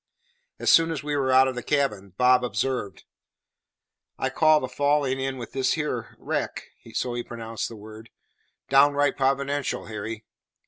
As soon as we were out of the cabin, Bob observed: "I call the falling in with this here wrack," (so he pronounced the word) "downright providential, Harry.